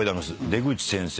出口先生。